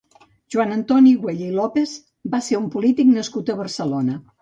Joan Antoni Güell i López va ser un polític nascut a Barcelona.